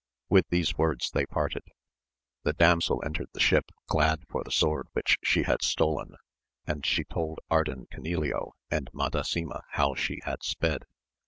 With these words they parted. The damsel entered the ship glad for the sword which she had stolen, and she told Ardan Canileo and Madasima how she had sped.